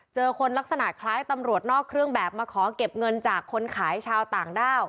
เจอคนลักษณะคล้ายตำรวจนอกเครื่องแบบมาขอเก็บเงินจากคนขายชาวต่างด้าว